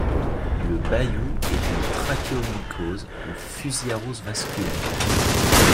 Le bayoud est une trachéomycose, ou fusariose vasculaire.